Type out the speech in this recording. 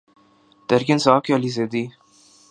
تحریک انصاف کے علی زیدی